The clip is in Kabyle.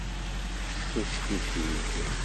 Tessusef-it-id.